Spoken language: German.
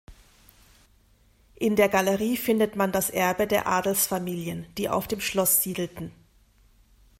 In der Galerie findet man das Erbe der Adelsfamilien, die auf dem Schloss siedelten.